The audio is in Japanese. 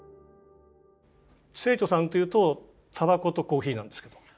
清張さんっていうとタバコとコーヒーなんですけど。